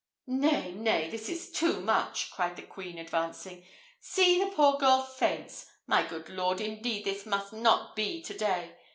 "Nay, nay, this is too much!" cried the queen, advancing; "see, the poor girl faints! My good lord, indeed this must not be to day.